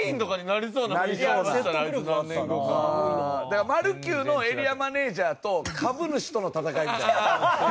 だからマルキューのエリアマネジャーと株主との戦いみたいな。